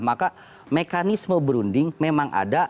maka mekanisme berunding memang ada